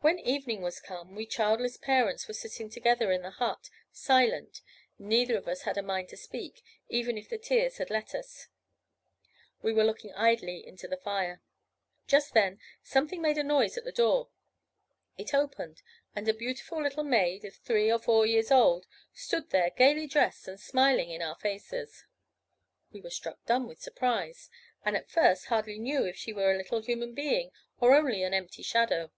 "When evening was come, we childless parents were sitting together in the hut, silent; neither of us had a mind to speak, even if the tears had let us. We were looking idly into the fire. Just then something made a noise at the door. It opened, and a beautiful little maid, of three or four years' old stood there gaily dressed, and smiling in our faces. We were struck dumb with surprise, and at first hardly knew if she were a little human being, or only an empty shadow.